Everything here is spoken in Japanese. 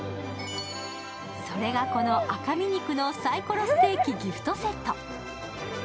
それが、この赤身肉のサイコロステーキギフトセット。